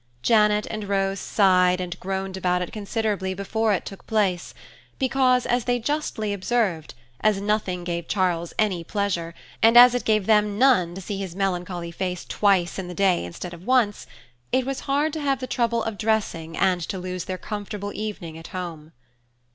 Janet and Rose sighed and groaned about it considerably before it took place, because, as they justly observed, as nothing gave Charles any pleasure, and as it gave them none to see his melancholy face twice in the day instead of once, it was hard to have the trouble of dressing and to lose their comfortable evening at home.